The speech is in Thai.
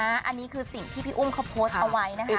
อันนี้คือสิ่งที่พี่อุ้มเขาโพสต์เอาไว้นะคะ